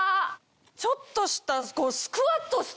ちょっとした。